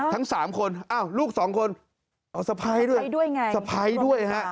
ทั้งสามคนอ้าวลูกสองคนเอาสะพ้ายด้วยไงสะพ้ายด้วยฮะ